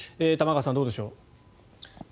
玉川さんどうでしょう。